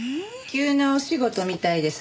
急なお仕事みたいですね。